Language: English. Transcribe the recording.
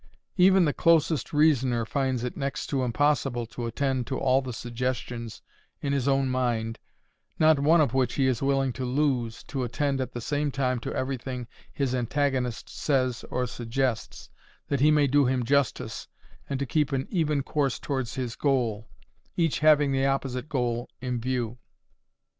Even the closest reasoner finds it next to impossible to attend to all the suggestions in his own mind, not one of which he is willing to lose, to attend at the same time to everything his antagonist says or suggests, that he may do him justice, and to keep an even course towards his goal—each having the opposite goal in view.